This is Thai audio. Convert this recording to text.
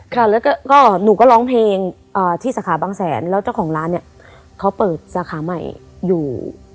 ค่ะแล้วก็หนูก็ร้องเพลงที่สาขาบางแสนแล้วเจ้าของร้านเนี่ยเขาเปิดสาขาใหม่อยู่